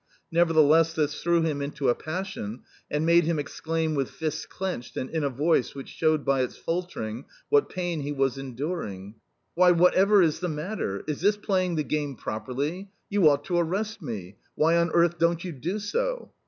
Nevertheless this threw him into a passion, and made him exclaim with fists clenched and in a voice which showed by its faltering what pain he was enduring, "Why, whatever is the matter? Is this playing the game properly? You ought to arrest me. Why on earth don't you do so?"